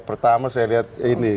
pertama saya lihat ini